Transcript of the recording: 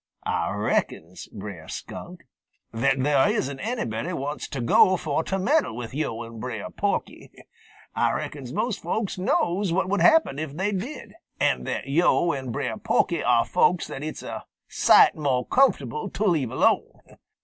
"Ah reckons, Brer Skunk," said he, "that there isn't anybody wants to go fo' to meddle with yo' and Brer Porky. Ah reckons most folks knows what would happen if they did, and that yo' and Brer Porky are folks it's a sight mo' comfortable to leave alone.